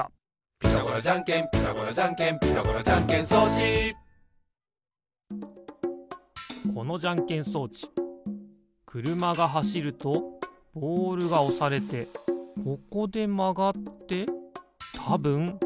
「ピタゴラじゃんけんピタゴラじゃんけん」「ピタゴラじゃんけん装置」このじゃんけん装置くるまがはしるとボールがおされてここでまがってたぶんグーがでる。